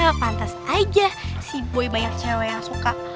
ya pantas aja si boy banyak cewek yang suka